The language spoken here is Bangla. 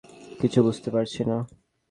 কিছু বুঝতে পারছি না।